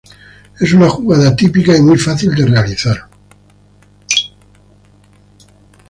Es una jugada típica y muy fácil de realizar.